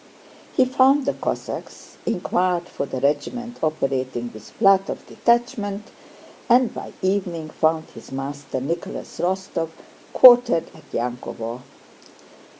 He found the Cossacks, inquired for the regiment operating with Plátov's detachment and by evening found his master, Nicholas Rostóv, quartered at Yankóvo.